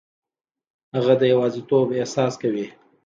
هغه د یوازیتوب احساس کوي.